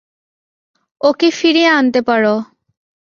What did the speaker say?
ওকে ফিরিয়ে আনতে পারো।